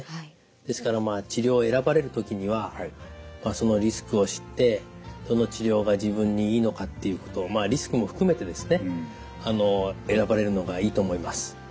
ですから治療を選ばれる時にはそのリスクを知ってどの治療が自分にいいのかっていうことをまあリスクも含めてですね選ばれるのがいいと思います。